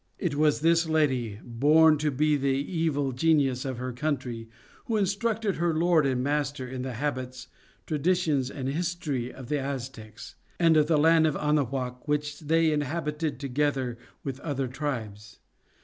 It was this lady, born to be the evil genius of her country, who instructed her lord and master in the habits, traditions, and history of the Aztecs, and of the land of Anahuac which they inhabited together with other tribes.